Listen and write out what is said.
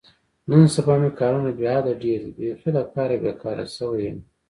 نن سبا مې کارونه بې حده ډېر دي، بیخي له کاره بېگاره شوی یم.